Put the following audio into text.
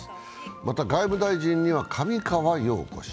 また、外務大臣には上川陽子氏。